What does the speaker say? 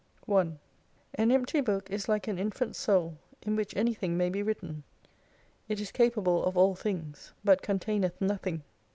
THE FIRST CENTURY 1 AN empty book is like an infant's soul, in which anything may be written. It is capable of all things, but containeth nothing.